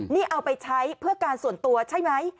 นี่เอาไปใช้เพื่อการส่วนตัวใช่ไหม